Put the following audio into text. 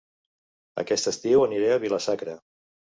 Aquest estiu aniré a Vila-sacra